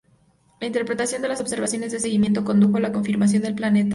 La interpretación de las observaciones de seguimiento condujo a la confirmación del planeta.